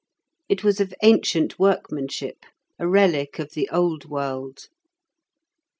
It was of ancient workmanship, a relic of the old world.